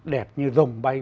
đẹp như rồng bay